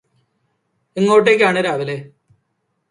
എങ്ങോട്ടേക്കാണ് രാവിലെ?